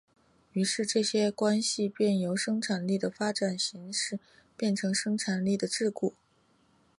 于是这些关系便由生产力的发展形式变成生产力的桎梏。